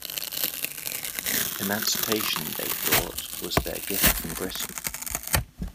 Emancipation, they thought, was their gift from Britain.